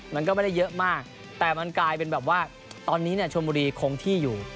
มันก็ไม่ได้เยอะมากแต่มันกลายเป็นแบบว่าตอนนี้ชนบุรีคงที่อยู่